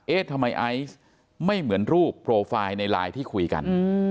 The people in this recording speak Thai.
ทำไมไอซ์ไม่เหมือนรูปโปรไฟล์ในไลน์ที่คุยกัน